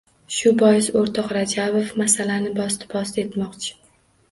Shu bois, o‘rtoq Rajabov masalani bosdi-bosdi etmoqchi.